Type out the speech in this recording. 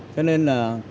cho nên là